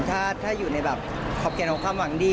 ถ้าอยู่ในแบบขอบเขตของความหวังดี